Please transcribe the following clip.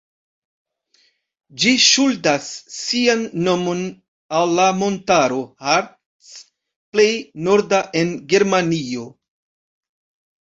Ĝi ŝuldas sian nomon al la montaro "Harz", plej norda en Germanio.